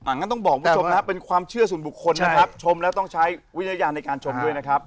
อ่างั้นต้องบอกว่าจบนะฮะเป็นความเชื่อสุนบุคคลนะครับชมแล้วต้องใช้วิญญาณในการชมด้วยนะครับ